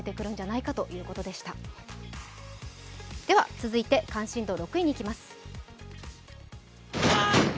続いて関心度６位にいきます